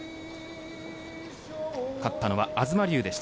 勝ったのは東龍でした。